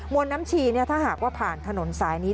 วนน้ำชีถ้าหากว่าผ่านถนนสายนี้